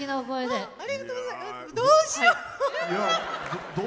どうしよう！